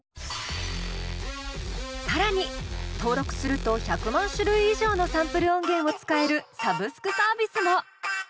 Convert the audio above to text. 更に登録すると１００万種類以上のサンプル音源を使えるサブスクサービスも！